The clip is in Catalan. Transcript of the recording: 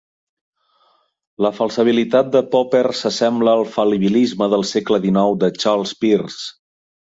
La falsabilitat de Popper s'assembla al fal·libilisme del segle XIX de Charles Peirce.